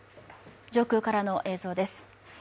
上空からの映像です。